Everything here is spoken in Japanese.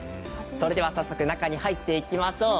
それでは早速中に入っていきましょう。